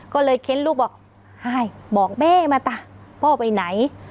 ก็เลยเค้นลูกบอกให้บอกแม่มาจ้ะพ่อไปไหน